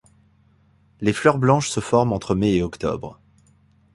Les fleurs blanches se forment entre mai et octobre.